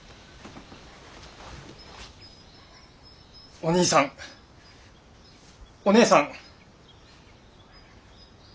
お義兄さんお義姉さん。